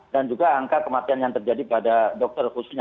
dan juga angka kematian yang terjadi pada dokter khususnya